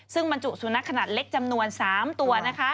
ซึ่งบรรจุสุนัขขนาดเล็กจำนวน๓ตัวนะคะ